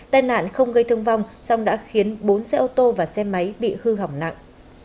tai nạn không gây thương vong song đã khiến bốn xe ô tô và xe máy bị hư hỏng nặng